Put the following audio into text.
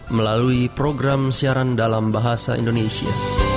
melalui program siaran dalam bahasa indonesia